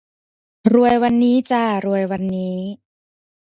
รวยวันนี้จ้า รวยวันนี้